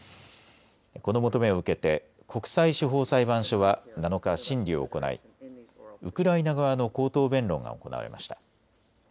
この求めを受けて国際司法裁判所は７日審理を行いウクライナ側の口頭弁論が行われました。